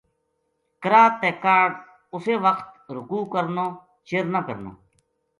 قرات تے کاہڈ اسے وخت رکوع کرنو، چر نہ کرنو۔